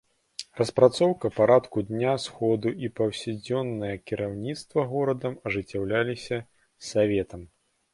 Распрацоўка парадку дня сходу і паўсядзённае кіраўніцтва горадам ажыццяўляліся саветам.